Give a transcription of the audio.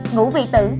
ngủ vì tử